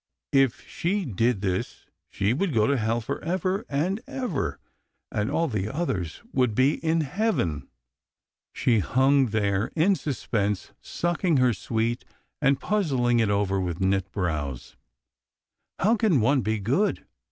If she did this she would go to hell for ever and ever, and all the others would be in heaven. She hung there in suspense, sucking her sweet and puzzling it over with knit brows. How can one be good